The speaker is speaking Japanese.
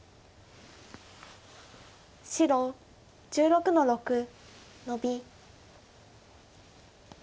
白１６の六ノビ。